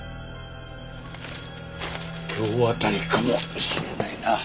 今日あたりかもしれないな。